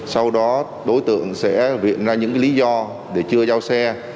sau đó đối tượng sẽ viện ra những lý do để chưa giao xe